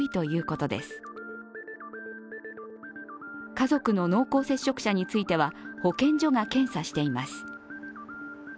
家族の濃厚接触者については、保健所が検査しています。